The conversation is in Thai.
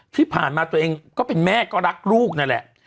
ที่ผ่านมาตัวเองก็เป็นแม่ก็รักลูกนั่นแหละ